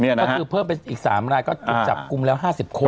ก็คือเพิ่มไปอีก๓ลายก็จุดจับกลุ่มแล้ว๕๐โคตร